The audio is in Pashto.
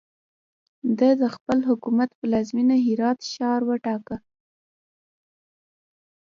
ده د خپل حکومت پلازمینه هرات ښار وټاکله.